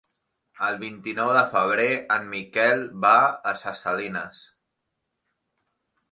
El vint-i-nou de febrer en Miquel va a Ses Salines.